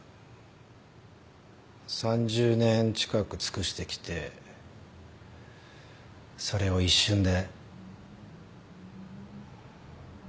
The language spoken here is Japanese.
３０年近く尽くしてきてそれを一瞬で。